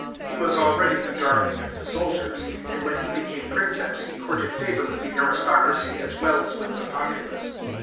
He was already the darling of the soldiers, and when he became Prinreps he courted favour with the aristocracy as well as with the populace.